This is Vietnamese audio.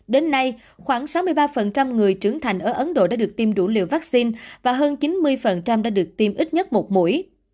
đến nay khoảng sáu mươi ba người trưởng thành ở ấn độ đã được tiêm đủ liều vaccine và hơn chín mươi đã được tiêm ít nhất một mũi